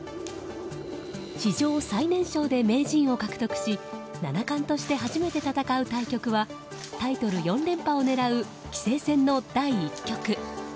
史上最年少で名人を獲得し七冠として初めて戦う対局はタイトル４連覇を狙う棋聖戦の第１局。